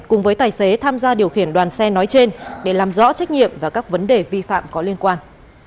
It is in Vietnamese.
cùng với tài xế tham gia điều khiển đoàn xe nói trên để làm rõ trách nhiệm và các vấn đề vi phạm có liên quan